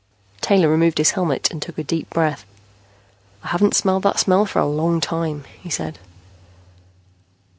Taylor removed his helmet and took a deep breath. "I haven't smelled that smell for a long time," he said.